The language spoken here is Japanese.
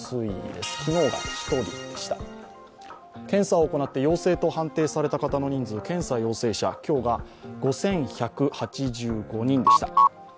検査を行って陽性と判定された方の人数検査陽性者、今日が５１８５人でした。